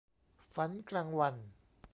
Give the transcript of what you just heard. ฝันกลางวัน